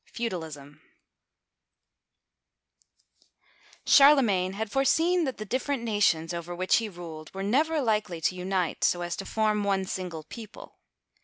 FEUDALISM CHARLEMAGNE had foreseen that the different nations over which he ruled were never likely to unite so as to form one single people.